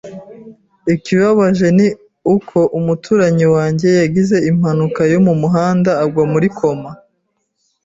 Ikibabaje ni uko umuturanyi wanjye yagize impanuka yo mu muhanda agwa muri koma.